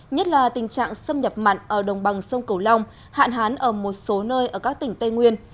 nhất là tình trạng xâm nhập mặn ở đồng bằng sông cửu long hạn hán ở một số nơi ở các tỉnh tây nguyên